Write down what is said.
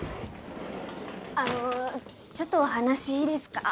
あのちょっとお話いいですか？